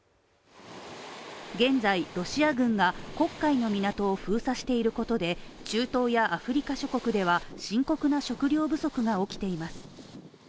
現在、ロシア軍が黒海の港を封鎖していることで中東やアフリカ諸国は深刻な食料不足が起きています。